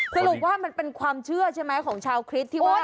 สรุปว่ามันเป็นความเชื่อใช่ไหมของชาวคริสต์ที่ว่า